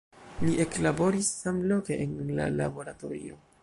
Li eklaboris samloke en la laboratorio.